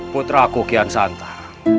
putraku kian santar